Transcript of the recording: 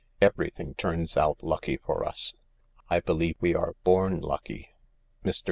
Everything turns out lucky for us. I believe we are born lucky. Mr.